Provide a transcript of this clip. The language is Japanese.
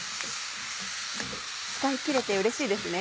使い切れてうれしいですね。